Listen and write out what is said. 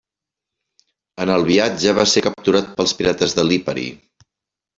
En el viatge va ser capturat pels pirates de Lipari.